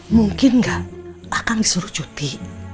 mungkin gak akang disuruh cuti